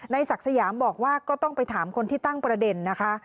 ศักดิ์สยามบอกว่าก็ต้องไปถามคนที่ตั้งประเด็นนะคะ